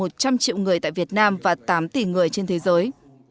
một trăm linh triệu người tại việt nam và tám tỷ người trên thế giới